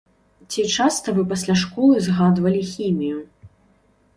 Ці часта вы пасля школы згадвалі хімію?